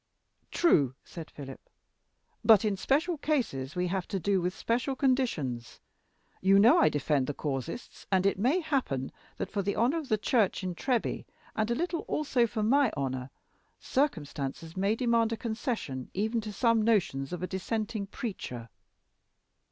"True," said Philip; "but in special cases we have to do with special conditions. You know I defend the casuists. And it may happen that, for the honor of the church in Treby, and a little also for my honor, circumstances may demand a concession even to some notions of a Dissenting preacher."